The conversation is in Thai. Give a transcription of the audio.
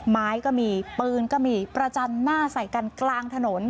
ไม้ก็มีปืนก็มีประจันหน้าใส่กันกลางถนน